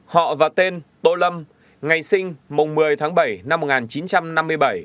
họ và tên tô lâm ngày sinh mùng một mươi tháng bảy năm một nghìn chín trăm năm mươi bảy